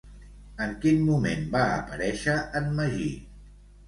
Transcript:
En quin moment va aparèixer en Magí?